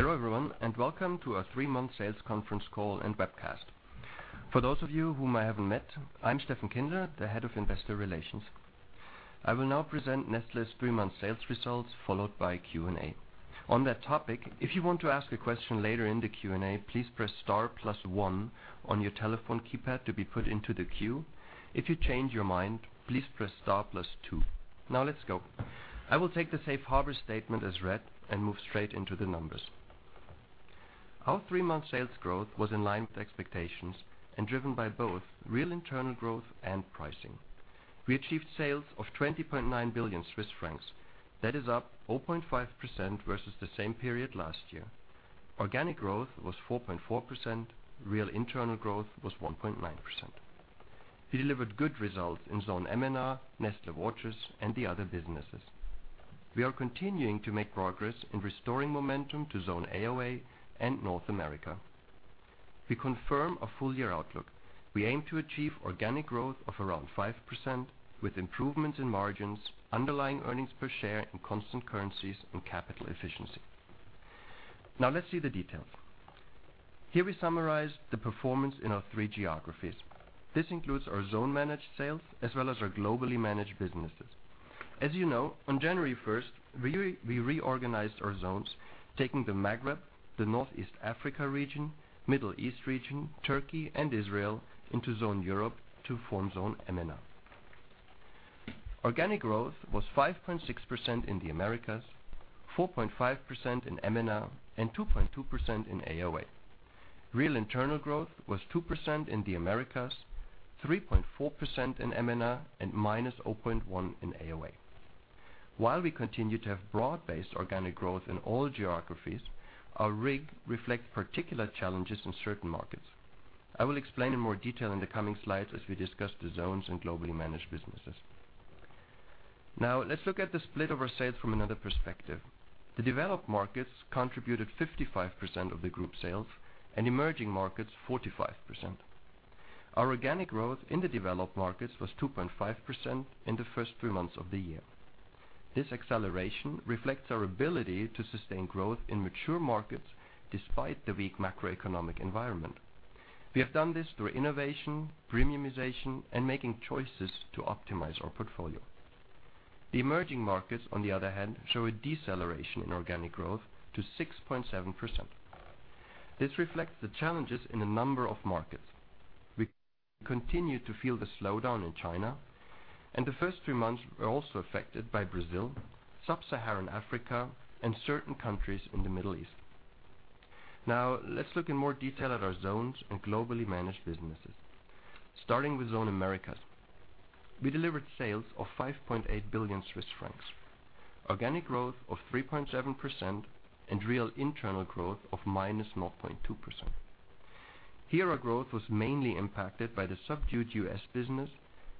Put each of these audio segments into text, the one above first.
Hello, everyone, and welcome to our three-month sales conference call and webcast. For those of you whom I haven't met, I'm Stephan Kinzer, the Head of Investor Relations. I will now present Nestlé's three-month sales results, followed by Q&A. On that topic, if you want to ask a question later in the Q&A, please press star plus one on your telephone keypad to be put into the queue. If you change your mind, please press star plus two. Now let's go. I will take the safe harbor statement as read and move straight into the numbers. Our three-month sales growth was in line with expectations and driven by both real internal growth and pricing. We achieved sales of 20.9 billion Swiss francs. That is up 0.5% versus the same period last year. Organic growth was 4.4%. Real internal growth was 1.9%. We delivered good results in Zone EMENA, Nestlé Waters, and the other businesses. We are continuing to make progress in restoring momentum to Zone AOA and North America. We confirm our full-year outlook. We aim to achieve organic growth of around 5% with improvements in margins, underlying earnings per share in constant currencies and capital efficiency. Now let's see the details. Here we summarize the performance in our three geographies. This includes our zone-managed sales, as well as our globally managed businesses. As you know, on January 1st, we reorganized our zones, taking the Maghreb, the Northeast Africa region, Middle East region, Turkey, and Israel into zone Europe to form Zone EMENA. Organic growth was 5.6% in the Zone Americas, 4.5% in Zone EMENA, and 2.2% in Zone AOA. Real internal growth was 2% in the Zone Americas, 3.4% in Zone EMENA, and -0.1% in Zone AOA. While we continue to have broad-based organic growth in all geographies, our RIG reflects particular challenges in certain markets. I will explain in more detail in the coming slides as we discuss the zones and globally managed businesses. Now, let's look at the split of our sales from another perspective. The developed markets contributed 55% of the group sales and emerging markets 45%. Our organic growth in the developed markets was 2.5% in the first three months of the year. This acceleration reflects our ability to sustain growth in mature markets despite the weak macroeconomic environment. We have done this through innovation, premiumization, and making choices to optimize our portfolio. The emerging markets, on the other hand, show a deceleration in organic growth to 6.7%. This reflects the challenges in a number of markets. We continue to feel the slowdown in China, and the first three months were also affected by Brazil, sub-Saharan Africa, and certain countries in the Middle East. Now, let's look in more detail at our zones and globally managed businesses. Starting with Zone Americas. We delivered sales of 5.8 billion Swiss francs, organic growth of 3.7%, and real internal growth of -0.2%. Here our growth was mainly impacted by the subdued U.S. business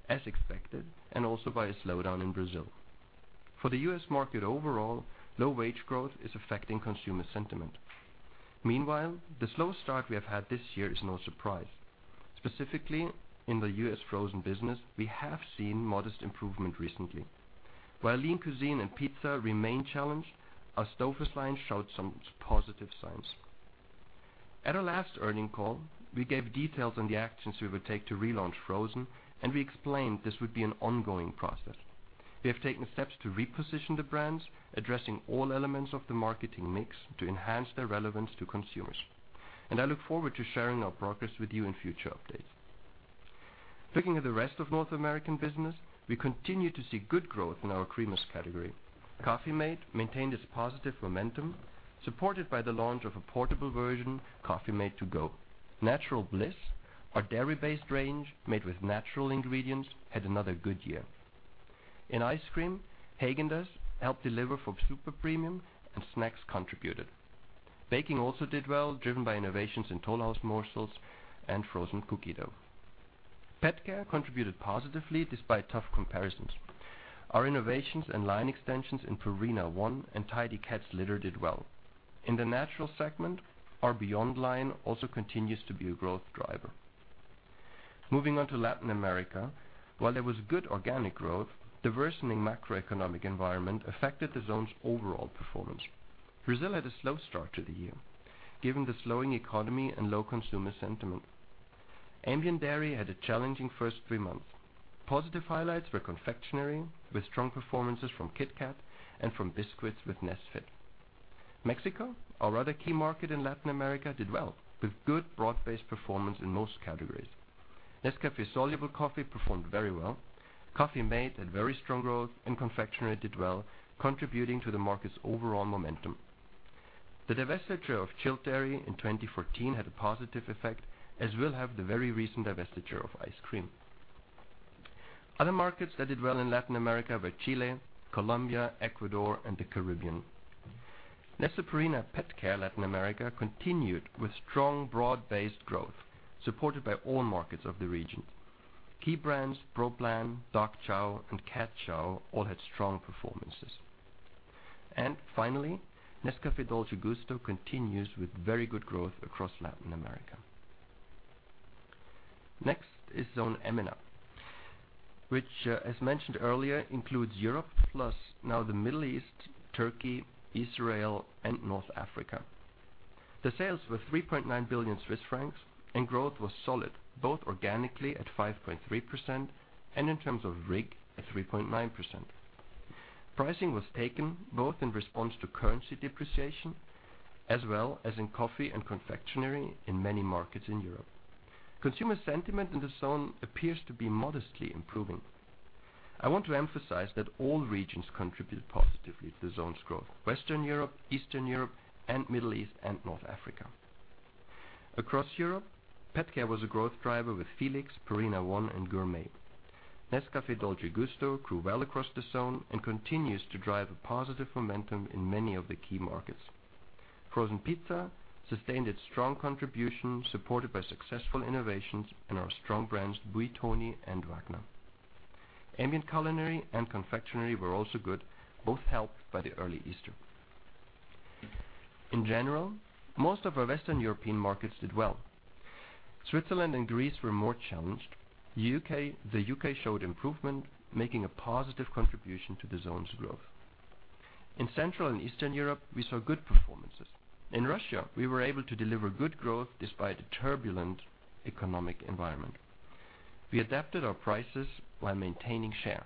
as expected, and also by a slowdown in Brazil. For the U.S. market overall, low wage growth is affecting consumer sentiment. Meanwhile, the slow start we have had this year is no surprise. Specifically, in the U.S. frozen business, we have seen modest improvement recently. While Lean Cuisine and Pizza remain challenged, our Stouffer's line showed some positive signs. At our last earnings call, we gave details on the actions we would take to relaunch frozen, and we explained this would be an ongoing process. We have taken steps to reposition the brands, addressing all elements of the marketing mix to enhance their relevance to consumers. I look forward to sharing our progress with you in future updates. Looking at the rest of North American business, we continue to see good growth in our Creamers category. Coffee-mate maintained its positive momentum, supported by the launch of a portable version, Coffee-mate 2Go. Natural Bliss, our dairy-based range made with natural ingredients, had another good year. In ice cream, Häagen-Dazs helped deliver for super premium, and snacks contributed. Baking also did well, driven by innovations in Toll House Morsels and frozen cookie dough. PetCare contributed positively despite tough comparisons. Our innovations and line extensions in Purina ONE and Tidy Cats litter did well. In the natural segment, our Beyond line also continues to be a growth driver. Moving on to Latin America. While there was good organic growth, the worsening macroeconomic environment affected the zone's overall performance. Brazil had a slow start to the year, given the slowing economy and low consumer sentiment. Ambient Dairy had a challenging first three months. Positive highlights were confectionery, with strong performances from KitKat and from biscuits with Nesfit. Mexico, our other key market in Latin America, did well, with good broad-based performance in most categories. Nescafé soluble coffee performed very well. Coffee-mate had very strong growth, and confectionery did well, contributing to the market's overall momentum. The divestiture of Chilled Dairy in 2014 had a positive effect, as will have the very recent divestiture of ice cream. Other markets that did well in Latin America were Chile, Colombia, Ecuador, and the Caribbean. Nestlé Purina PetCare Latin America continued with strong broad-based growth, supported by all markets of the region. Finally, Nescafé Dolce Gusto continues with very good growth across Latin America. Next is Zone EMENA, which as mentioned earlier, includes Europe plus now the Middle East, Turkey, Israel, and North Africa. The sales were 3.9 billion Swiss francs, and growth was solid, both organically at 5.3% and in terms of RIG at 3.9%. Pricing was taken both in response to currency depreciation as well as in coffee and confectionery in many markets in Europe. Consumer sentiment in the zone appears to be modestly improving. I want to emphasize that all regions contributed positively to the zone's growth: Western Europe, Eastern Europe, and Middle East and North Africa. Across Europe, PetCare was a growth driver with Felix, Purina ONE, and Gourmet. Nescafé Dolce Gusto grew well across the zone and continues to drive a positive momentum in many of the key markets. Frozen pizza sustained its strong contribution, supported by successful innovations in our strong brands, Buitoni and Wagner. Ambient culinary and confectionery were also good, both helped by the early Easter. In general, most of our Western European markets did well. Switzerland and Greece were more challenged. The U.K. showed improvement, making a positive contribution to the zone's growth. In Central and Eastern Europe, we saw good performances. In Russia, we were able to deliver good growth despite a turbulent economic environment. We adapted our prices while maintaining share.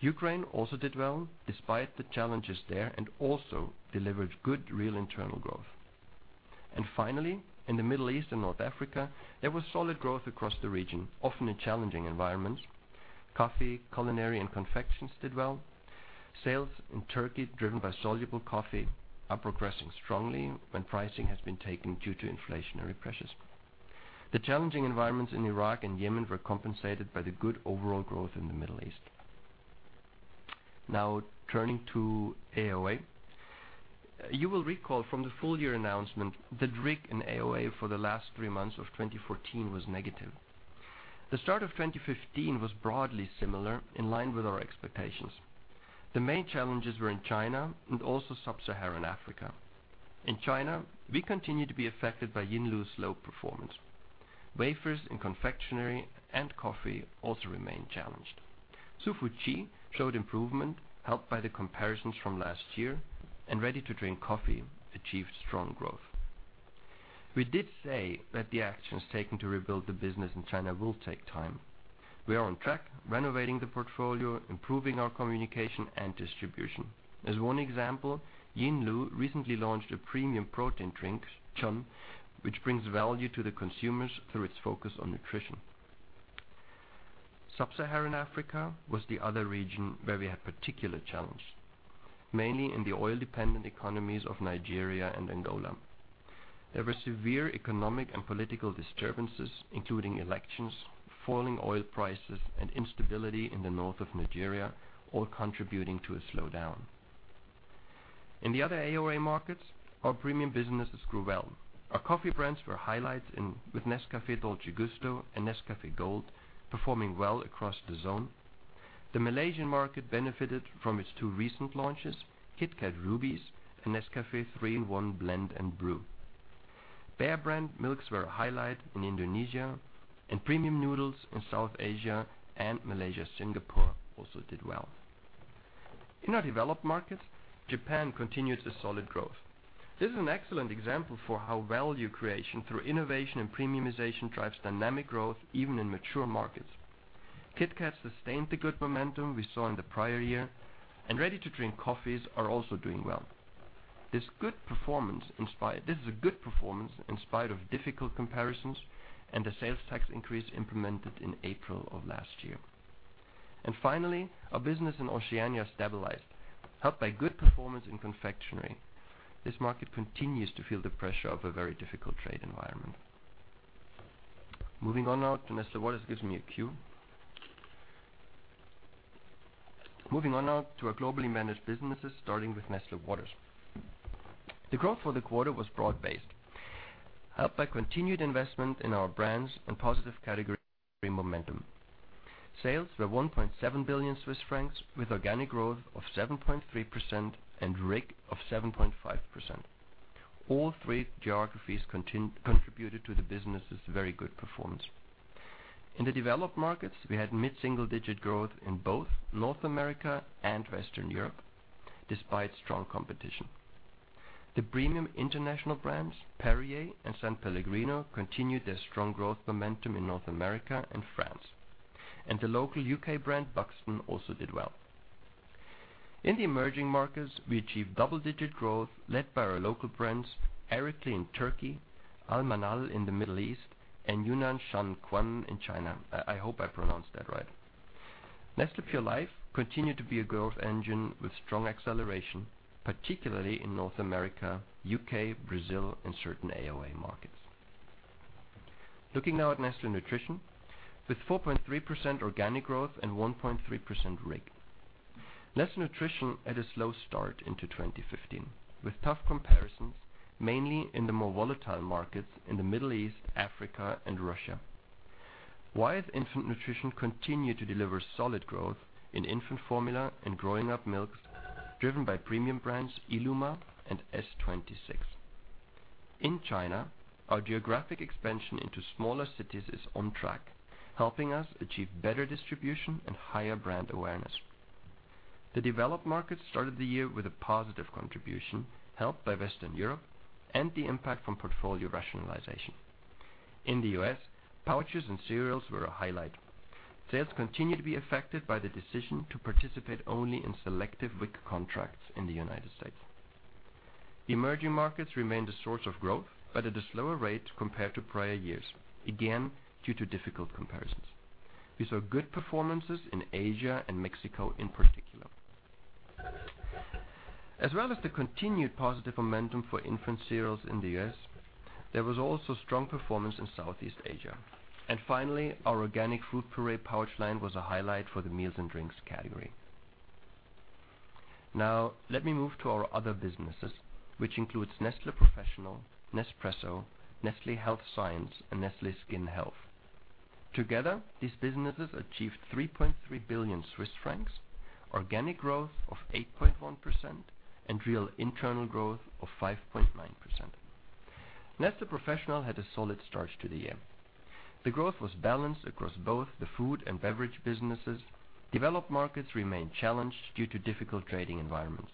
Ukraine also did well despite the challenges there and also delivered good real internal growth. Finally, in the Middle East and North Africa, there was solid growth across the region, often in challenging environments. Coffee, culinary, and confections did well. Sales in Turkey, driven by soluble coffee, are progressing strongly when pricing has been taken due to inflationary pressures. The challenging environments in Iraq and Yemen were compensated by the good overall growth in the Middle East. Now turning to AoA. You will recall from the full-year announcement that RIG in AoA for the last three months of 2014 was negative. The start of 2015 was broadly similar, in line with our expectations. The main challenges were in China and also sub-Saharan Africa. In China, we continue to be affected by Yinlu's low performance. Wafers and confectionery and coffee also remain challenged. Hsu Fu Chi showed improvement helped by the comparisons from last year. Ready-to-drink coffee achieved strong growth. We did say that the actions taken to rebuild the business in China will take time. We are on track, renovating the portfolio, improving our communication, and distribution. As one example, Yinlu recently launched a premium protein drink, Chun, which brings value to the consumers through its focus on nutrition. Sub-Saharan Africa was the other region where we had particular challenge, mainly in the oil-dependent economies of Nigeria and Angola. There were severe economic and political disturbances, including elections, falling oil prices, and instability in the north of Nigeria, all contributing to a slowdown. In the other AoA markets, our premium businesses grew well. Our coffee brands were highlights with Nescafé Dolce Gusto and Nescafé Gold performing well across the zone. The Malaysian market benefited from its two recent launches, KitKat Rubies and Nescafé 3-in-1 Blend & Brew. Bear Brand milks were a highlight in Indonesia, and premium noodles in South Asia and Malaysia, Singapore also did well. In our developed markets, Japan continued with solid growth. This is an excellent example for how value creation through innovation and premiumization drives dynamic growth even in mature markets. KitKat sustained the good momentum we saw in the prior year, and ready-to-drink coffees are also doing well. This is a good performance in spite of difficult comparisons and a sales tax increase implemented in April of last year. Finally, our business in Oceania stabilized, helped by good performance in confectionery. This market continues to feel the pressure of a very difficult trade environment. Moving on now to Nestlé Waters gives me a cue. Moving on now to our globally managed businesses, starting with Nestlé Waters. The growth for the quarter was broad-based, helped by continued investment in our brands and positive category momentum. Sales were 1.7 billion Swiss francs with organic growth of 7.3% and RIG of 7.5%. All three geographies contributed to the business' very good performance. In the developed markets, we had mid-single digit growth in both North America and Western Europe despite strong competition. The premium international brands, Perrier and S.Pellegrino, continued their strong growth momentum in North America and France, and the local U.K. brand, Buxton, also did well. In the emerging markets, we achieved double-digit growth led by our local brands, Erikli in Turkey, Al Manhal in the Middle East, and Yunnan Shan Quan in China. I hope I pronounced that right. Nestlé Pure Life continued to be a growth engine with strong acceleration, particularly in North America, U.K., Brazil, and certain AoA markets. Looking now at Nestlé Nutrition, with 4.3% organic growth and 1.3% RIG. Nestlé Nutrition had a slow start into 2015 with tough comparisons, mainly in the more volatile markets in the Middle East, Africa, and Russia. Why has infant nutrition continued to deliver solid growth in infant formula and growing up milks driven by premium brands Illuma and S-26? In China, our geographic expansion into smaller cities is on track, helping us achieve better distribution and higher brand awareness. The developed markets started the year with a positive contribution, helped by Western Europe and the impact from portfolio rationalization. In the U.S., pouches and cereals were a highlight. Sales continued to be affected by the decision to participate only in selective WIC contracts in the United States. Emerging markets remain the source of growth, but at a slower rate compared to prior years, again, due to difficult comparisons. We saw good performances in Asia and Mexico in particular. As well as the continued positive momentum for infant cereals in the U.S., there was also strong performance in Southeast Asia. Finally, our organic fruit puree pouch line was a highlight for the meals and drinks category. Now, let me move to our other businesses, which includes Nestlé Professional, Nespresso, Nestlé Health Science, and Nestlé Skin Health. Together, these businesses achieved 3.3 billion Swiss francs, organic growth of 8.1%, and real internal growth of 5.9%. Nestlé Professional had a solid start to the year. The growth was balanced across both the food and beverage businesses. Developed markets remained challenged due to difficult trading environments.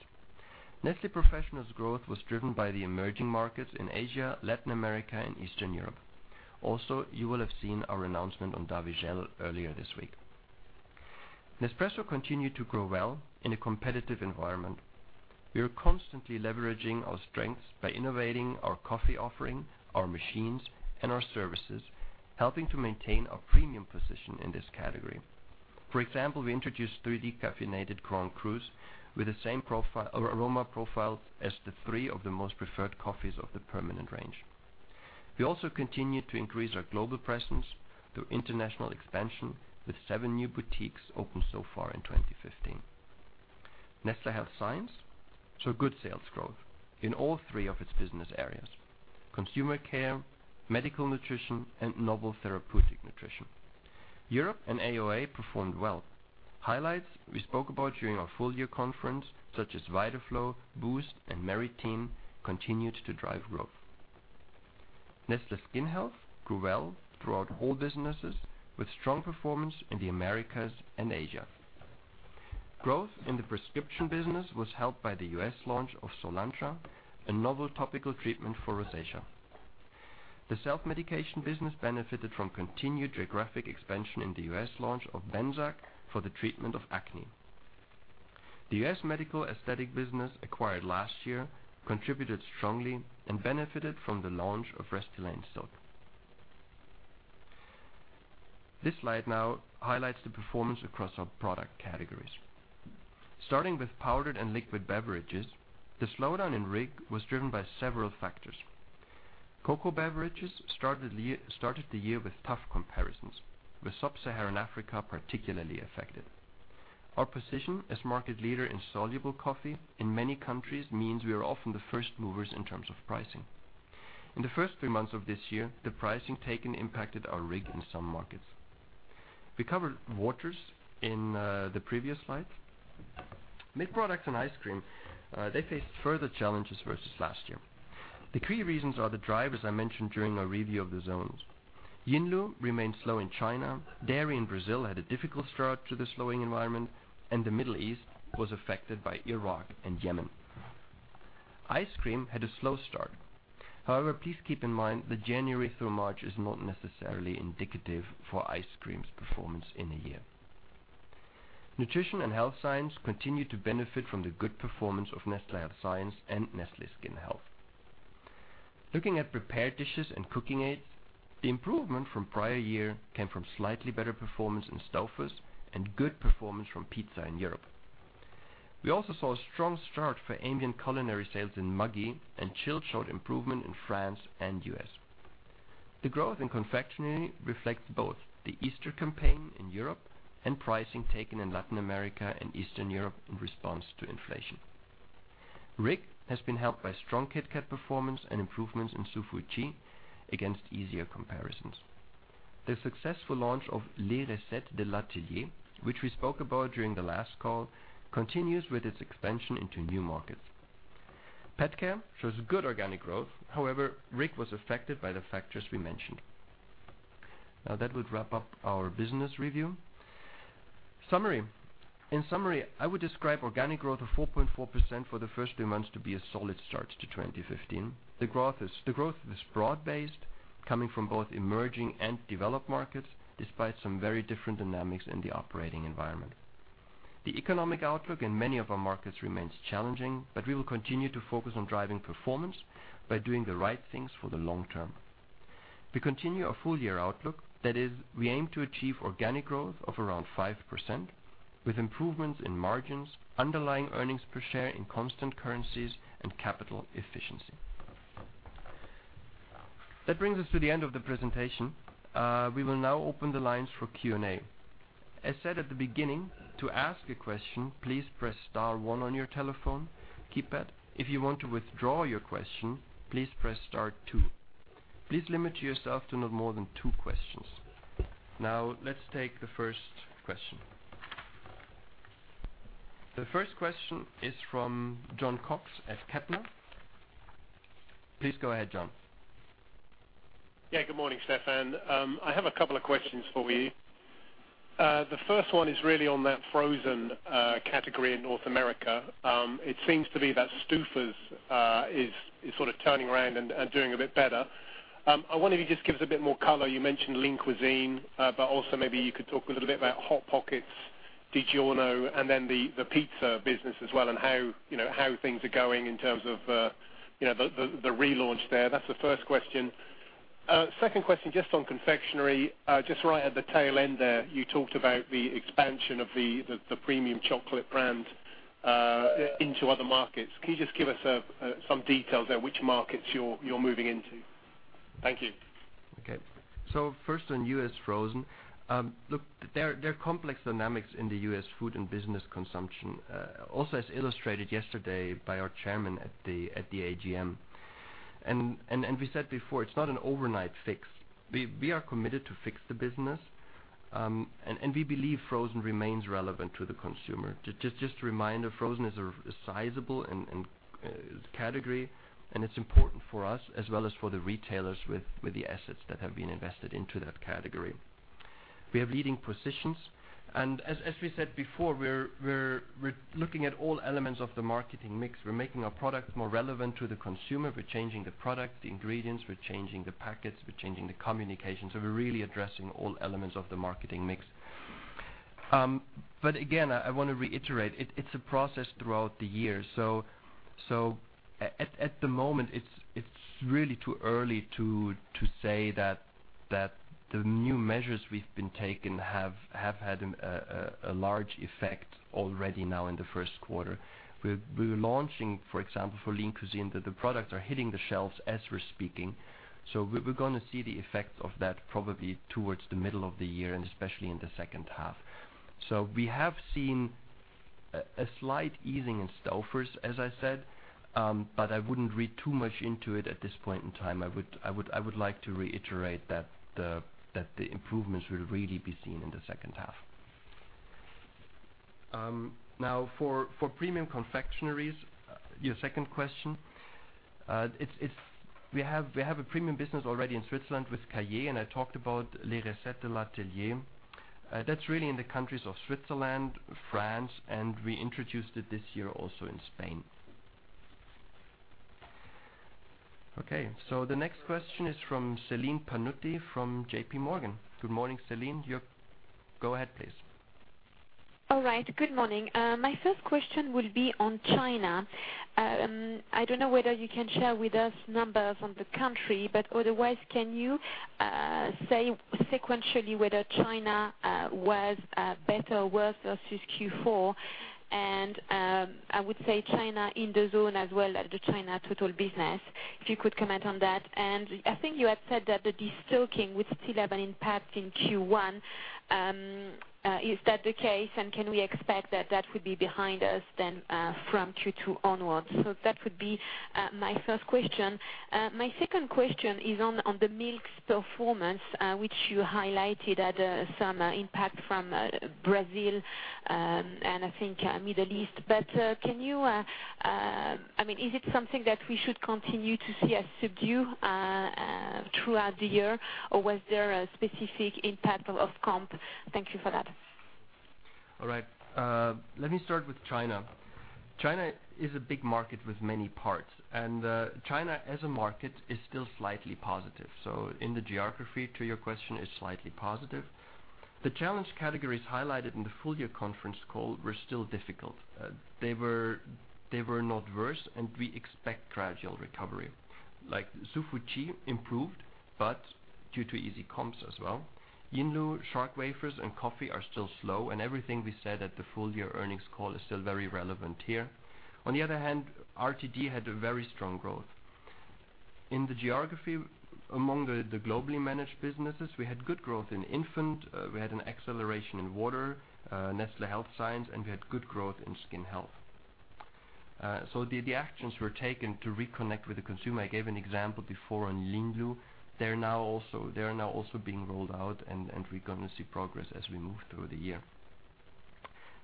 Nestlé Professional's growth was driven by the emerging markets in Asia, Latin America, and Eastern Europe. Also, you will have seen our announcement on Davigel earlier this week. Nespresso continued to grow well in a competitive environment. We are constantly leveraging our strengths by innovating our coffee offering, our machines, and our services, helping to maintain our premium position in this category. For example, we introduced three decaffeinated Grands Crus with the same aroma profile as the three of the most preferred coffees of the permanent range. We also continued to increase our global presence through international expansion with seven new boutiques opened so far in 2015. Nestlé Health Science saw good sales growth in all three of its business areas: consumer care, medical nutrition, and novel therapeutic nutrition. Europe and AoA performed well. Highlights we spoke about during our full-year conference, such as Vitaflo, BOOST, and Meritene, continued to drive growth. Nestlé Skin Health grew well throughout all businesses, with strong performance in the Americas and Asia. Growth in the prescription business was helped by the U.S. launch of Soolantra, a novel topical treatment for rosacea. The self-medication business benefited from continued geographic expansion in the U.S. launch of Benzac for the treatment of acne. The U.S. medical aesthetic business acquired last year contributed strongly and benefited from the launch of Restylane Silk. This slide now highlights the performance across our product categories. Starting with powdered and liquid beverages, the slowdown in RIG was driven by several factors. Cocoa beverages started the year with tough comparisons, with sub-Saharan Africa particularly affected. Our position as market leader in soluble coffee in many countries means we are often the first movers in terms of pricing. In the first three months of this year, the pricing taken impacted our RIG in some markets. We covered waters in the previous slide. Milk products and ice cream, they faced further challenges versus last year. The key reasons are the drivers I mentioned during my review of the zones. Yinlu remained slow in China, dairy in Brazil had a difficult start to the slowing environment, and the Middle East was affected by Iraq and Yemen. Ice cream had a slow start. However, please keep in mind that January through March is not necessarily indicative for ice cream's performance in a year. Nutrition and health science continued to benefit from the good performance of Nestlé Health Science and Nestlé Skin Health. Looking at prepared dishes and cooking aids, the improvement from prior year came from slightly better performance in Stouffer's and good performance from pizza in Europe. We also saw a strong start for ambient culinary sales in Maggi, and chilled showed improvement in France and U.S. The growth in confectionery reflects both the Easter campaign in Europe and pricing taken in Latin America and Eastern Europe in response to inflation. RIG has been helped by strong KitKat performance and improvements in Süßes Zuhause against easier comparisons. The successful launch of Les Recettes de l'Atelier, which we spoke about during the last call, continues with its expansion into new markets. Pet care shows good organic growth. However, RIG was affected by the factors we mentioned. That would wrap up our business review. Summary. In summary, I would describe organic growth of 4.4% for the first three months to be a solid start to 2015. The growth is broad-based, coming from both emerging and developed markets, despite some very different dynamics in the operating environment. The economic outlook in many of our markets remains challenging, but we will continue to focus on driving performance by doing the right things for the long term. We continue our full-year outlook. That is, we aim to achieve organic growth of around 5% with improvements in margins, underlying earnings per share in constant currencies, and capital efficiency. That brings us to the end of the presentation. We will now open the lines for Q&A. As said at the beginning, to ask a question, please press star one on your telephone keypad. If you want to withdraw your question, please press star two. Please limit yourself to no more than two questions. Let's take the first question. The first question is from Jon Cox at Kepler. Please go ahead, Jon. Good morning, Stephan. I have a couple of questions for you. The first one is really on that frozen category in North America. It seems to me that Stouffer's is sort of turning around and doing a bit better. I wonder if you could just give us a bit more color. You mentioned Lean Cuisine, but also maybe you could talk a little bit about Hot Pockets, DiGiorno, and then the pizza business as well, and how things are going in terms of the relaunch there. That's the first question. Second question, just on confectionery, just right at the tail end there, you talked about the expansion of the premium chocolate brand into other markets. Can you just give us some details there, which markets you're moving into? Thank you. Okay. First on U.S. frozen. Look, there are complex dynamics in the U.S. food and business consumption. Also, as illustrated yesterday by our chairman at the AGM. We said before, it's not an overnight fix. We are committed to fix the business. We believe frozen remains relevant to the consumer. Just a reminder, frozen is a sizable category, and it's important for us as well as for the retailers with the assets that have been invested into that category. We have leading positions, and as we said before, we're looking at all elements of the marketing mix. We're making our product more relevant to the consumer. We're changing the product, the ingredients, we're changing the packets, we're changing the communication. We're really addressing all elements of the marketing mix. Again, I want to reiterate, it's a process throughout the year. At the moment, it's really too early to say that the new measures we've been taking have had a large effect already now in the first quarter. We're launching, for example, for Lean Cuisine, that the products are hitting the shelves as we're speaking. We're going to see the effect of that probably towards the middle of the year and especially in the second half. We have seen a slight easing in Stouffer's, as I said. I wouldn't read too much into it at this point in time. I would like to reiterate that the improvements will really be seen in the second half. For premium confectioneries, your second question, we have a premium business already in Switzerland with Cailler. That's really in the countries of Switzerland, France, and we introduced it this year also in Spain. The next question is from Céline Pannuti from J.P. Morgan. Good morning, Céline. Go ahead, please. All right. Good morning. My first question will be on China. I don't know whether you can share with us numbers on the country, but otherwise, can you say sequentially whether China was better or worse versus Q4? I would say China in the zone as well as the China total business, if you could comment on that. I think you had said that the destocking would still have an impact in Q1. Is that the case, and can we expect that that would be behind us then from Q2 onwards? That would be my first question. My second question is on the milks performance, which you highlighted had some impact from Brazil, and I think Middle East. Is it something that we should continue to see as subdued throughout the year, or was there a specific impact of comp? Thank you for that. All right. Let me start with China. China is a big market with many parts. China as a market is still slightly positive. In the geography to your question, is slightly positive. The challenge categories highlighted in the full-year conference call were still difficult. They were not worse. We expect gradual recovery. Like 八宝粥 improved, due to easy comps as well. Yinlu, Crisp Shark Wafer, and coffee are still slow. Everything we said at the full-year earnings call is still very relevant here. On the other hand, RTD had a very strong growth. In the geography among the globally managed businesses, we had good growth in infant, we had an acceleration in water, Nestlé Health Science. We had good growth in Nestlé Skin Health. The actions were taken to reconnect with the consumer. I gave an example before on Yinlu. They are now also being rolled out. We're going to see progress as we move through the year.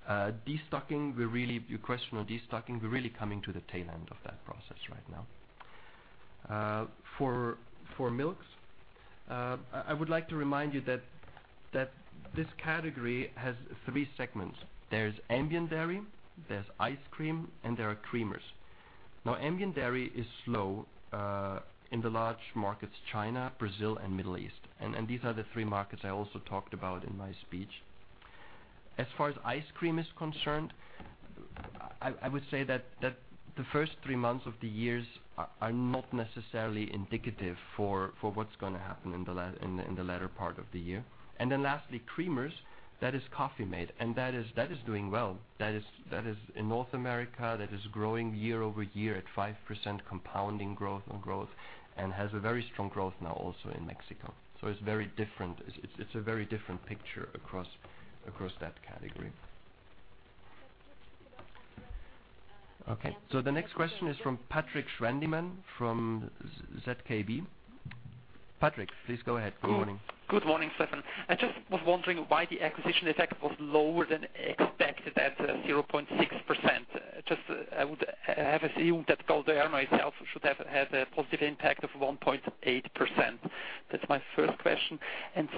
Your question on destocking. We're really coming to the tail end of that process right now. For milks, I would like to remind you that this category has 3 segments. There's ambient dairy, there's ice cream. There are creamers. Ambient dairy is slow in the large markets, China, Brazil and Middle East. These are the three markets I also talked about in my speech. As far as ice cream is concerned, I would say that the first three months of the years are not necessarily indicative for what's going to happen in the latter part of the year. Lastly, creamers. That is Coffee-mate. That is doing well. That is in North America. That is growing year-over-year at 5% compounding growth on growth. It has a very strong growth now also in Mexico. It's a very different picture across that category. Okay. The next question is from Patrik Schwendimann from ZKB. Patrik, please go ahead. Good morning. Good morning, Stephan. I just was wondering why the acquisition effect was lower than expected at 0.6%. I would have assumed that Galderma itself should have had a positive impact of 1.8%. That's my first question.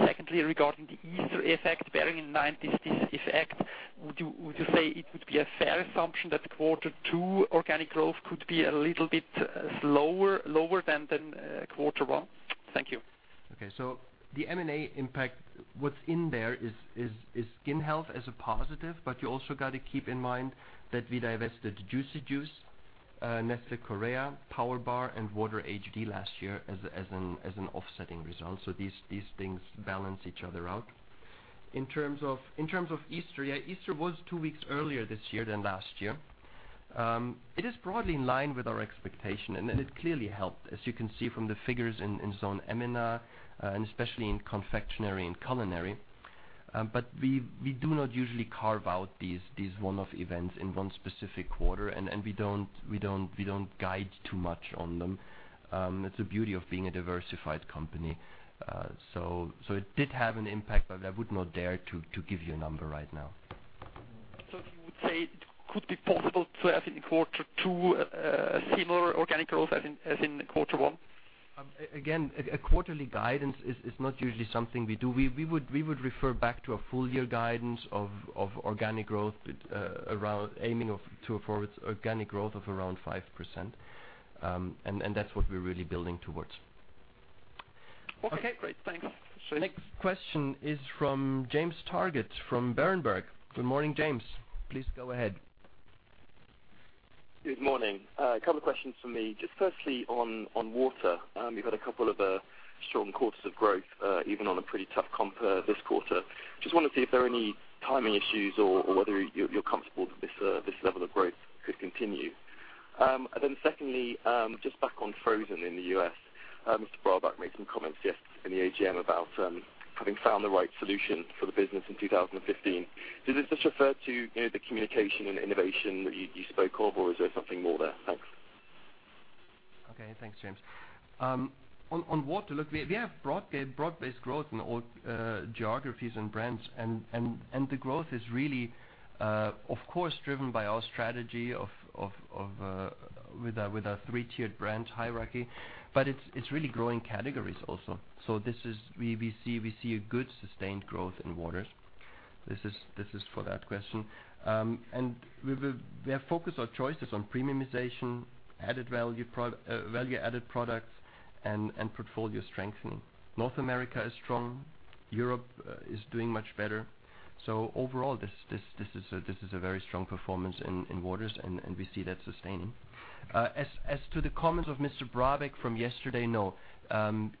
Secondly, regarding the Easter effect, bearing in mind this effect, would you say it would be a fair assumption that quarter two organic growth could be a little bit lower than quarter one? Thank you. The M&A impact, what's in there is skin health as a positive, you also got to keep in mind that we divested Juicy Juice, Nestlé Korea, PowerBar, and Water HOD last year as an offsetting result. These things balance each other out. In terms of Easter, yeah, Easter was two weeks earlier this year than last year. It is broadly in line with our expectation, and it clearly helped, as you can see from the figures in Zone EMENA, and especially in confectionery and culinary. We do not usually carve out these one-off events in one specific quarter, and we don't guide too much on them. It's the beauty of being a diversified company. It did have an impact, but I would not dare to give you a number right now. You would say it could be possible to have, in quarter two, similar organic growth as in quarter one? Again, a quarterly guidance is not usually something we do. We would refer back to a full year guidance of organic growth aiming to afford organic growth of around 5%. That's what we're really building towards. Okay, great. Thanks. Next question is from James Targett from Berenberg. Good morning, James. Please go ahead. Good morning. A two questions from me. Firstly, on water. You've had a two of strong quarters of growth, even on a pretty tough comp this quarter. Just want to see if there are any timing issues or whether you are comfortable that this level of growth could continue. Secondly, just back on frozen in the U.S. Mr. Brabeck made some comments yesterday in the AGM about having found the right solution for the business in 2015. Does this just refer to the communication and innovation that you spoke of, or is there something more there? Thanks. Okay, thanks, James. On water, look, we have broad-based growth in all geographies and brands. The growth is really, of course, driven by our strategy with our 3-tiered brand hierarchy. It is really growing categories also. We see a good sustained growth in waters. This is for that question. We have focused our choices on premiumization, value-added products, and portfolio strengthening. North America is strong. Europe is doing much better. Overall, this is a very strong performance in waters, and we see that sustaining. As to the comments of Mr. Brabeck from yesterday, no.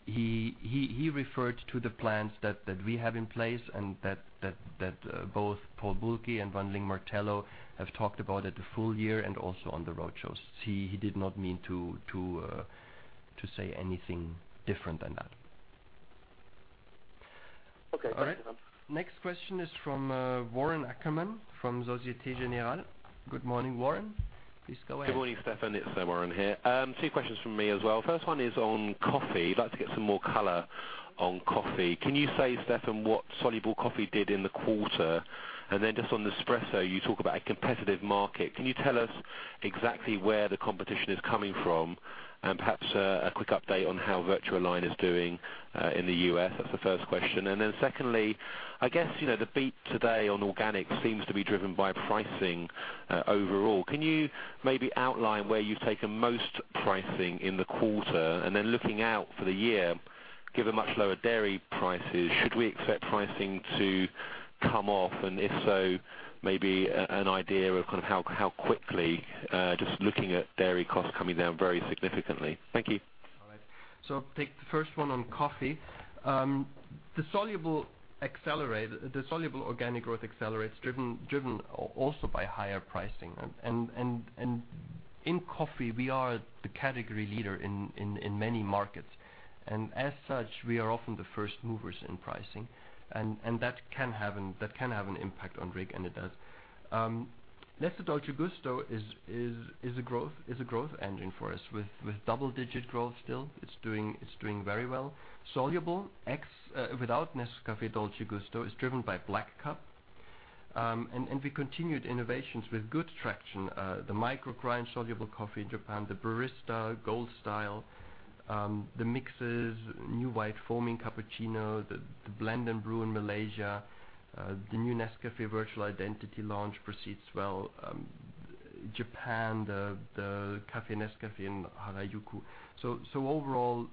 He referred to the plans that we have in place and that both Paul Bulcke and Wan Ling Martello have talked about at the full year and also on the road shows. He did not mean to say anything different than that. Okay. Thank you, Stephan. All right. Next question is from Warren Ackerman from Societe Generale. Good morning, Warren. Please go ahead. Good morning, Stephan. It's Warren here. Two questions from me as well. First one is on coffee. I'd like to get some more color on coffee. Can you say, Stephan, what soluble coffee did in the quarter? Then just on Nespresso, you talk about a competitive market. Can you tell us exactly where the competition is coming from and perhaps a quick update on how VertuoLine is doing in the U.S.? That's the first question. Then secondly, I guess, the beat today on organic seems to be driven by pricing overall. Can you maybe outline where you've taken most pricing in the quarter? If so, maybe an idea of how quickly, just looking at dairy costs coming down very significantly. Thank you. I'll take the first one on coffee. The soluble organic growth accelerates, driven also by higher pricing. In coffee, we are the category leader in many markets. As such, we are often the first movers in pricing. That can have an impact on RIG, and it does. Nescafé Dolce Gusto is a growth engine for us with double-digit growth still. It's doing very well. Soluble without Nescafé Dolce Gusto is driven by black cup. We continued innovations with good traction. The micronized added coffee in Japan, the Barista Gold Style, the mixes, new white foaming cappuccino, the Blend & Brew in Malaysia, the new Nescafé Virtual Identity launch proceeds well. Japan, the cafe Nescafé in Harajuku. Overall,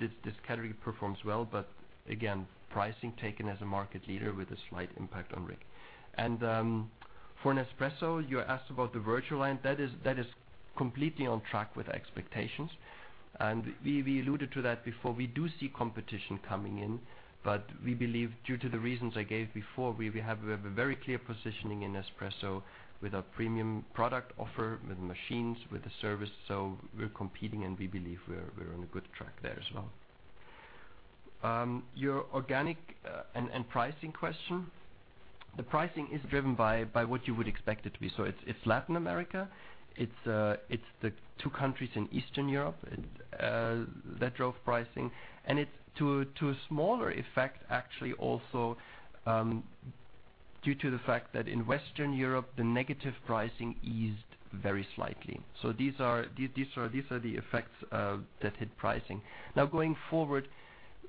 this category performs well, but again, pricing taken as a market leader with a slight impact on RIG. For Nespresso, you asked about the VertuoLine. That is completely on track with our expectations. We alluded to that before. We do see competition coming in. We believe due to the reasons I gave before, we have a very clear positioning in Nespresso with our premium product offer, with the machines, with the service. We're competing, and we believe we're on a good track there as well. Your organic and pricing question. The pricing is driven by what you would expect it to be. It's Latin America. It's the two countries in Eastern Europe that drove pricing, and it's to a smaller effect, actually, also due to the fact that in Western Europe, the negative pricing eased very slightly. These are the effects that hit pricing. Going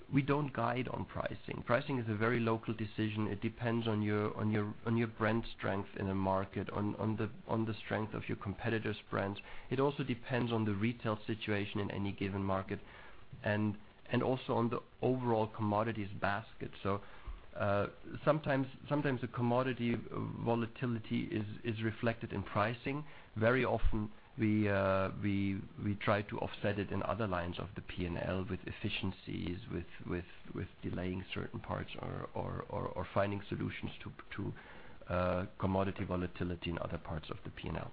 forward, we don't guide on pricing. Pricing is a very local decision. It depends on your brand strength in a market, on the strength of your competitor's brands. It also depends on the retail situation in any given market and also on the overall commodities basket. Sometimes the commodity volatility is reflected in pricing. Very often, we try to offset it in other lines of the P&L with efficiencies, with delaying certain parts or finding solutions to commodity volatility in other parts of the P&L.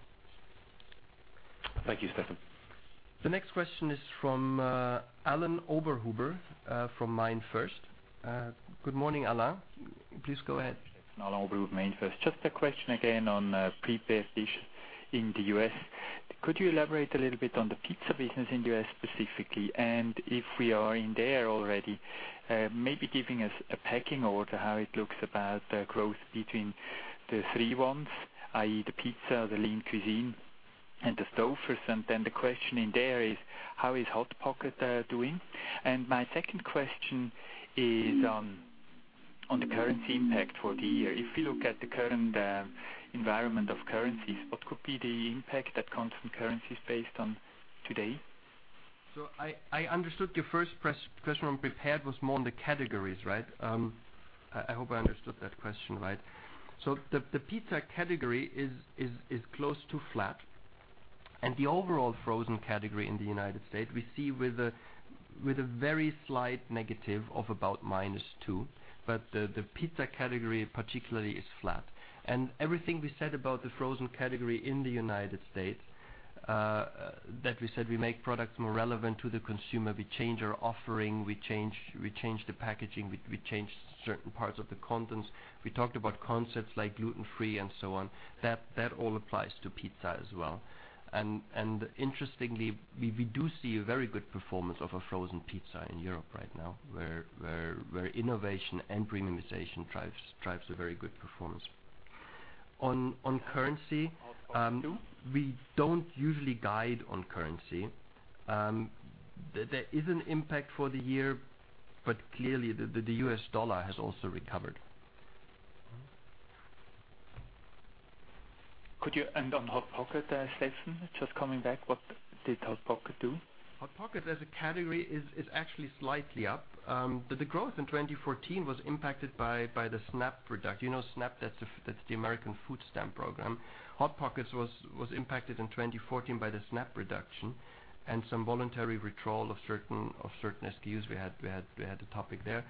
Thank you, Stephan. The next question is from Alain-Sebastian Oberhuber from MainFirst. Good morning, Alain. Please go ahead. Alain-Sebastian Oberhuber, MainFirst. A question again on prepared dish in the U.S. Could you elaborate a little bit on the pizza business in the U.S. specifically? If we are in there already, maybe giving us a pecking order how it looks about the growth between the three ones, i.e., the pizza, the Lean Cuisine, and the Stouffer's. The question in there is, how is Hot Pockets doing? My second question is on the currency impact for the year. If you look at the current environment of currencies, what could be the impact that comes from currencies based on today? I understood your first question on prepared was more on the categories, right? I hope I understood that question right. The pizza category is close to flat. The overall frozen category in the United States, we see with a very slight negative of about -2%. The pizza category particularly is flat. Everything we said about the frozen category in the United States, that we said we make products more relevant to the consumer. We change our offering, we change the packaging, we change certain parts of the contents. We talked about concepts like gluten-free and so on. That all applies to pizza as well. Interestingly, we do see a very good performance of a frozen pizza in Europe right now, where innovation and premiumization drives a very good performance. On currency, we don't usually guide on currency. There is an impact for the year, clearly the U.S. dollar has also recovered. Could you end on Hot Pockets, Stephan? Coming back, what did Hot Pockets do? Hot Pocket as a category is actually slightly up. The growth in 2014 was impacted by the SNAP reduction. You know SNAP, that's the American food stamp program. Hot Pockets was impacted in 2014 by the SNAP reduction and some voluntary withdrawal of certain SKUs. We had a topic there.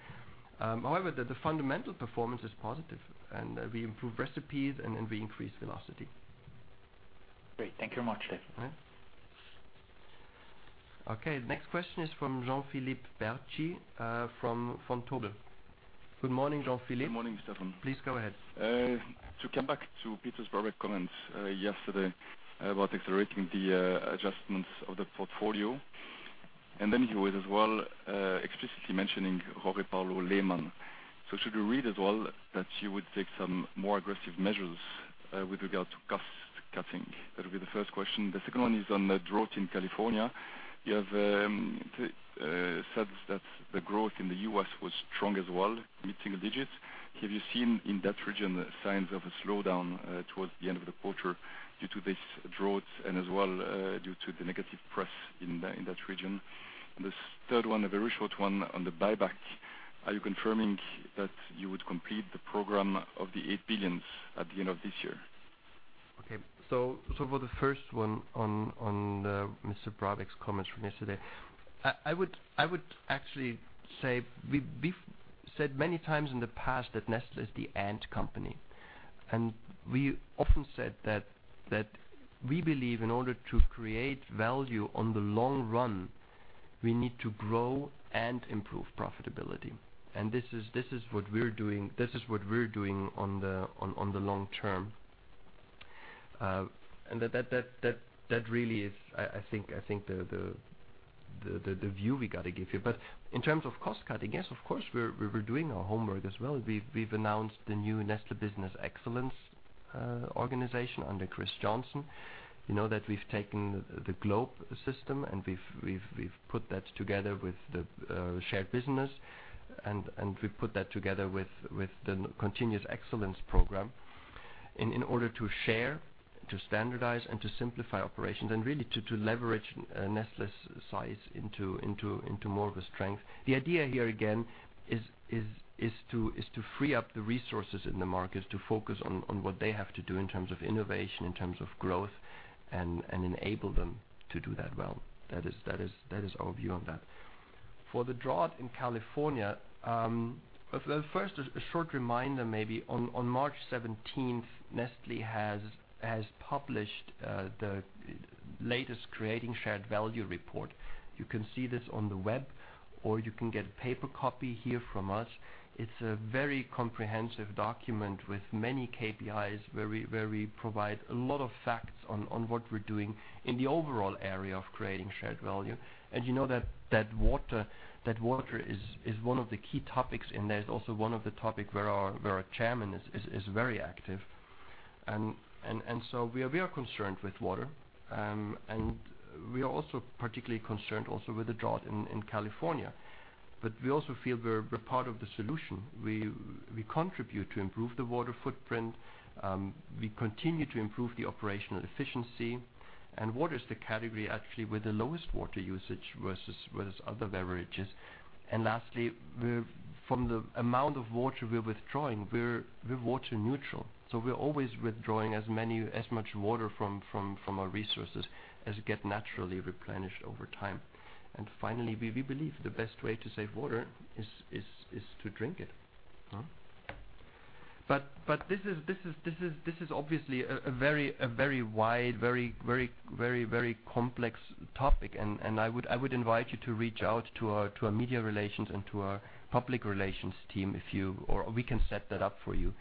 The fundamental performance is positive, and we improved recipes and we increased velocity. Great. Thank you much, Stephan. Next question is from Jean-Philippe Bertschy from Vontobel. Good morning, Jean-Philippe. Good morning, Stephan. Please go ahead. To come back to Peter Brabeck-Letmathe's comments yesterday about accelerating the adjustments of the portfolio, then he was explicitly mentioning Jorge Paulo Lemann. Should we read that you would take some more aggressive measures with regard to cost cutting? That would be the first question. The second one is on the drought in California. You have said that the growth in the U.S. was strong as well, mid-single digits. Have you seen in that region signs of a slowdown towards the end of the quarter due to this drought and due to the negative press in that region? The third one, a very short one on the buyback. Are you confirming that you would complete the program of the 8 billion at the end of this year? Okay. For the first one on Mr. Brabeck's comments from yesterday. I would actually say we've said many times in the past that Nestlé is the "and" company. We often said that we believe in order to create value on the long run, we need to grow and improve profitability. This is what we're doing. This is what we're doing on the long term. That really is I think the view we got to give you. In terms of cost cutting, yes, of course, we're doing our homework as well. We've announced the new Nestlé Business Excellence organization under Chris Johnson. You know that we've taken the GLOBE system, we've put that together with the shared business, and we put that together with the Nestlé Continuous Excellence in order to share, to standardize, and to simplify operations, really to leverage Nestlé's size into more of a strength. The idea here, again, is to free up the resources in the markets to focus on what they have to do in terms of innovation, in terms of growth, and enable them to do that well. That is our view on that. For the drought in California. First, a short reminder maybe. On March 17th, Nestlé has published the latest Creating Shared Value report. You can see this on the web, or you can get a paper copy here from us. It's a very comprehensive document with many KPIs, where we provide a lot of facts on what we're doing in the overall area of Creating Shared Value. You know that water is one of the key topics, and that is also one of the topics where our chairman is very active. We are concerned with water, and we are also particularly concerned also with the drought in California. We also feel we're part of the solution. We contribute to improve the water footprint. We continue to improve the operational efficiency. Water is the category actually with the lowest water usage versus other beverages. Lastly, from the amount of water we're withdrawing, we're water neutral. We're always withdrawing as much water from our resources as get naturally replenished over time. Finally, we believe the best way to save water is to drink it. This is obviously a very wide, very complex topic, and I would invite you to reach out to our media relations and to our public relations team, or we can set that up for you.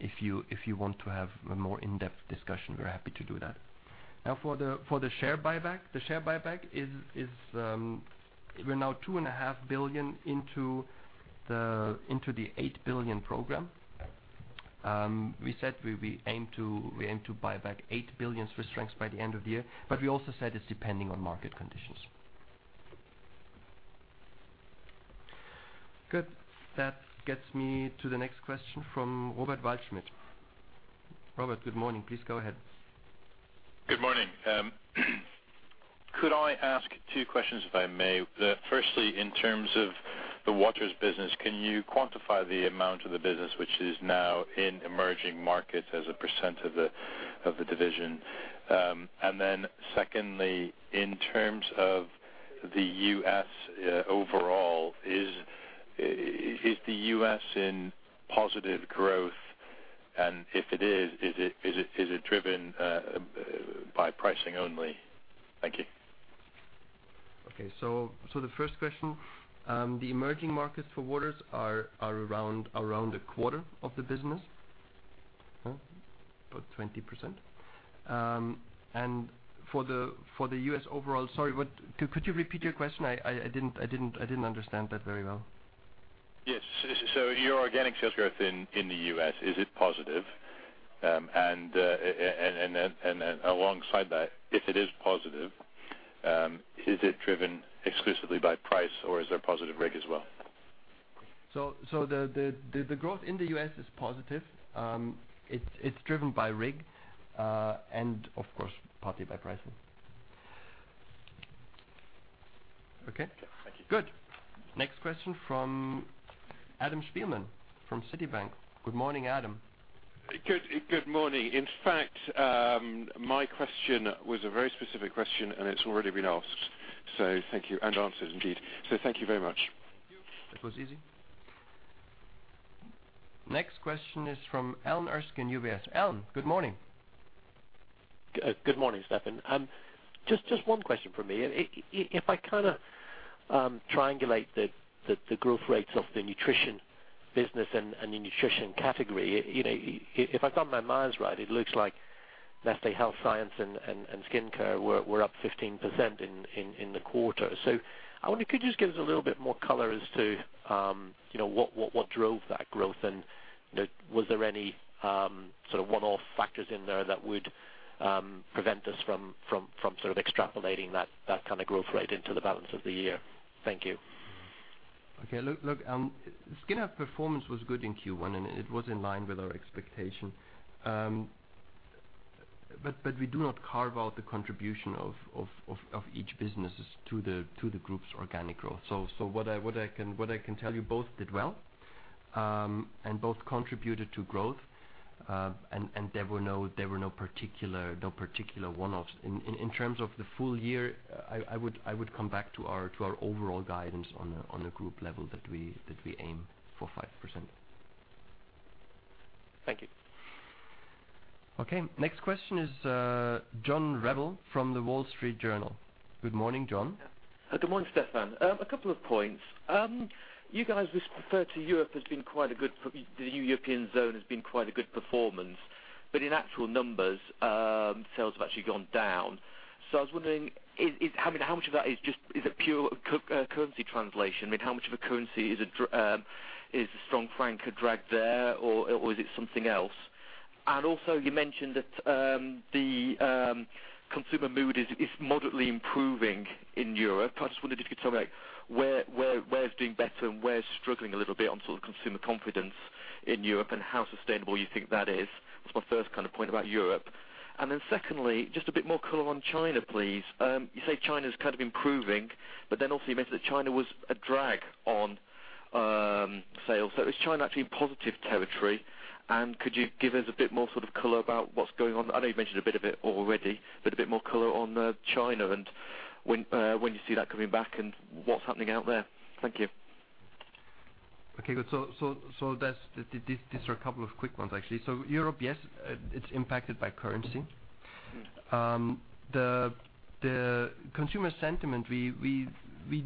If you want to have a more in-depth discussion, we're happy to do that. Now, for the share buyback. The share buyback is we're now 2.5 billion into the 8 billion program. We said we aim to buy back 8 billion Swiss francs by the end of the year, we also said it's depending on market conditions. Good. That gets me to the next question from Robert Waldschmidt. Robert, good morning. Please go ahead. Good morning. Could I ask two questions, if I may? Firstly, in terms of the waters business, can you quantify the amount of the business which is now in emerging markets as a % of the division? Secondly, in terms of the U.S. overall, is the U.S. in positive growth? If it is it driven by pricing only? Thank you. Okay. The first question, the emerging markets for waters are around a quarter of the business. About 20%. For the U.S. overall Sorry, could you repeat your question? I didn't understand that very well. Yes. Your organic sales growth in the U.S., is it positive? Alongside that, if it is positive, is it driven exclusively by price, or is there positive RIG as well? The growth in the U.S. is positive. It's driven by RIG, and of course, partly by pricing. Okay. Okay. Thank you. Good. Next question from Adam Spielman from Citibank. Good morning, Adam. Good morning. In fact, my question was a very specific question, and it's already been asked, thank you, and answered, indeed. Thank you very much. Thank you. That was easy. Next question is from Alan Erskine, UBS. Alan, good morning. Good morning, Stephan. Just one question from me. If I kind of triangulate the growth rates of the nutrition business and the nutrition category, if I've got my math right, it looks like Nestlé Health Science and Nestlé Skin Health were up 15% in the quarter. I wonder, could you just give us a little bit more color as to what drove that growth, and was there any sort of one-off factors in there that would prevent us from extrapolating that kind of growth rate into the balance of the year? Thank you. Okay. Look, Nestlé Skin Health performance was good in Q1, and it was in line with our expectation. We do not carve out the contribution of each businesses to the group's organic growth. What I can tell you, both did well, and both contributed to growth. There were no particular one-offs. In terms of the full year, I would come back to our overall guidance on a group level that we aim for 5%. Thank you. Okay. Next question is John Revill from The Wall Street Journal. Good morning, John. Good morning, Stephan. A couple of points. You guys refer to The new European Zone has been quite a good performance, but in actual numbers, sales have actually gone down. I was wondering, how much of that is a pure currency translation? How much of a currency is a strong franc a drag there, or is it something else? You mentioned that the consumer mood is moderately improving in Europe. I just wondered if you could tell me where's doing better and where's struggling a little bit on sort of consumer confidence in Europe, and how sustainable you think that is. That's my first point about Europe. Secondly, just a bit more color on China, please. You say China's kind of improving, but then also you mentioned that China was a drag on sales. Is China actually in positive territory? Could you give us a bit more color about what's going on? I know you mentioned a bit of it already, but a bit more color on China and when you see that coming back and what's happening out there. Thank you. Okay, good. These are a couple of quick ones, actually. Europe, yes, it's impacted by currency. The consumer sentiment, we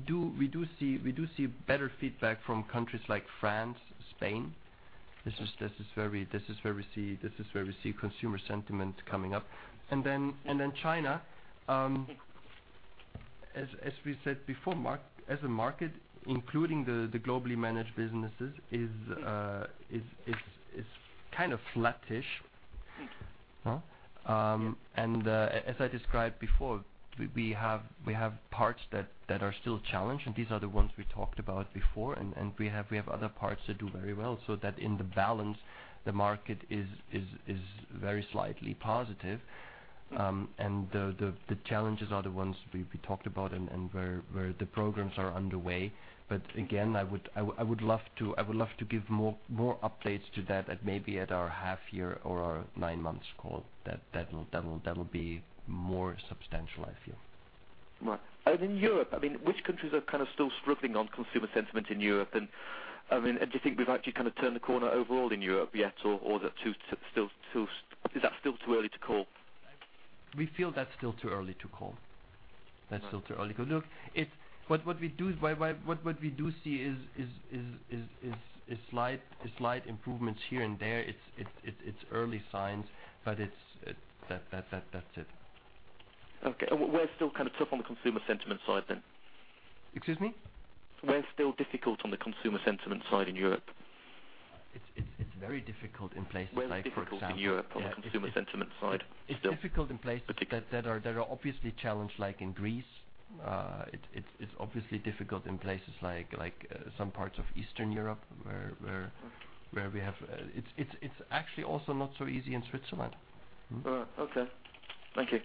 do see better feedback from countries like France, Spain. This is where we see consumer sentiment coming up. China, as we said before, as a market, including the globally managed businesses, is kind of flattish. As I described before, we have parts that are still challenged, and these are the ones we talked about before, and we have other parts that do very well. That in the balance, the market is very slightly positive. The challenges are the ones we talked about and where the programs are underway. Again, I would love to give more updates to that at maybe at our half-year or our nine-months call. That'll be more substantial, I feel. Right. In Europe, which countries are still struggling on consumer sentiment in Europe? Do you think we've actually turned a corner overall in Europe yet, or is that still too early to call? We feel that's still too early to call. That's still too early. Look, what we do see is slight improvements here and there. It's early signs, but that's it. Okay. Where is still tough on the consumer sentiment side, then? Excuse me? Where is it still difficult on the consumer sentiment side in Europe? It's very difficult in places like, for example. Where is it difficult in Europe on the consumer sentiment side? It's difficult in places that are obviously challenged like in Greece. It's obviously difficult in places like some parts of Eastern Europe. It's actually also not so easy in Switzerland. Okay. Thank you.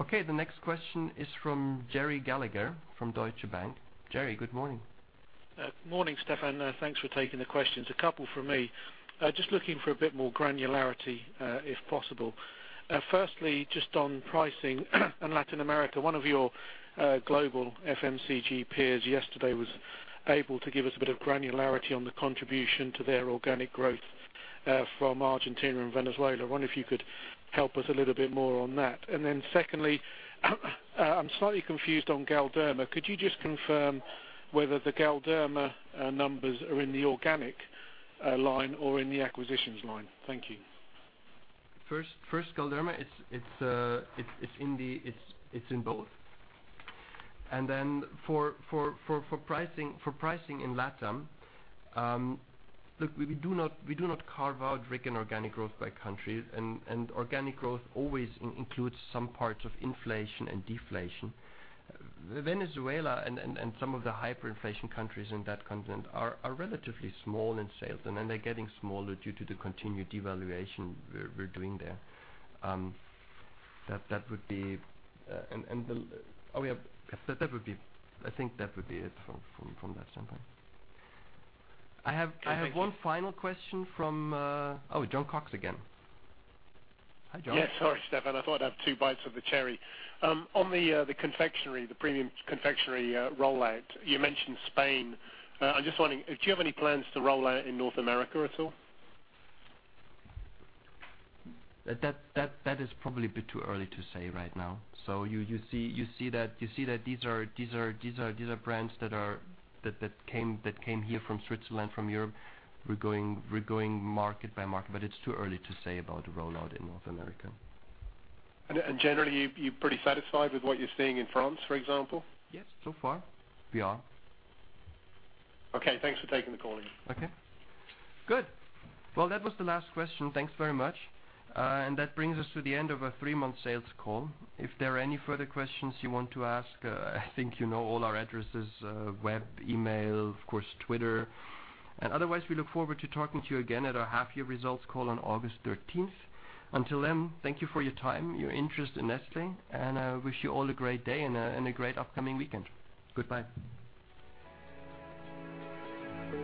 Okay, the next question is from Gerry Gallagher from Deutsche Bank. Jerry, good morning. Morning, Stephan. Thanks for taking the questions. A couple from me. Just looking for a bit more granularity, if possible. Firstly, just on pricing in Latin America. One of your global FMCG peers yesterday was able to give us a bit of granularity on the contribution to their organic growth from Argentina and Venezuela. I wonder if you could help us a little bit more on that. Then secondly, I'm slightly confused on Galderma. Could you just confirm whether the Galderma numbers are in the organic line or in the acquisitions line? Thank you. Galderma, it's in both. For pricing in LATAM, look, we do not carve out RIG organic growth by countries, and organic growth always includes some parts of inflation and deflation. Venezuela and some of the hyperinflation countries in that continent are relatively small in sales, they're getting smaller due to the continued devaluation we're doing there. I think that would be it from that standpoint. Thank you. I have one final question from Jon Cox again. Hi, Jon. Yes. Sorry, Stefan. I thought I'd have two bites of the cherry. On the premium confectionery rollout, you mentioned Spain. I'm just wondering, do you have any plans to roll out in North America at all? That is probably a bit too early to say right now. You see that these are brands that came here from Switzerland, from Europe. We're going market by market, but it's too early to say about a rollout in North America. Generally, you're pretty satisfied with what you're seeing in France, for example? Yes. So far we are. Okay, thanks for taking the call again. Okay. Good. Well, that was the last question. Thanks very much. That brings us to the end of our three-month sales call. If there are any further questions you want to ask, I think you know all our addresses, web, email, of course, Twitter. Otherwise, we look forward to talking to you again at our half-year results call on August 13th. Until then, thank you for your time, your interest in Nestlé, and I wish you all a great day and a great upcoming weekend. Goodbye.